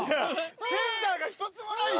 センターが一つもないよ。